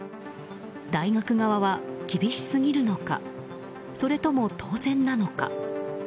大学側は厳しすぎるのかそれとも当然なのか。